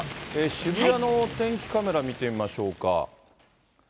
渋谷のお天気カメラ見てみましょうか。